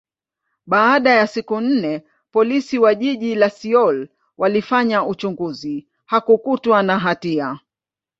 baada ya siku nne, Polisi wa jiji la Seoul walifanya uchunguzi, hakukutwa na hatia.